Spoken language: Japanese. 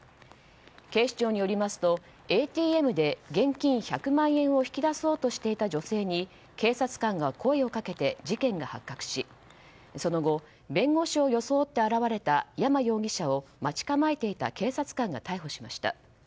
警視庁によりますとＡＴＭで現金１００万円を引き出そうとしていた女性に警察官が声をかけて事件が発覚しその後、弁護士を装って現れた山容疑者を待ち構えていた警察官が逮捕しました。